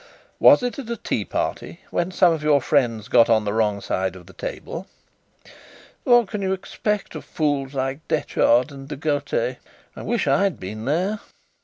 was it at a tea party, when some of your friends got on the wrong side of the table?" "What can you expect of fools like Detchard and De Gautet? I wish I'd been there."